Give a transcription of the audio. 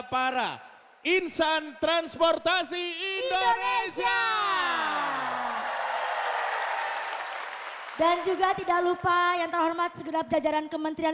para insan transportasi indonesia dan juga tidak lupa yang terhormat segenap jajaran kementerian